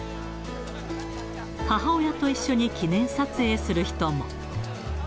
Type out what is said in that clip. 母親と一緒に記念撮影する人も。